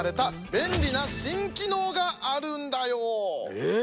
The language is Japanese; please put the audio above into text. えっ！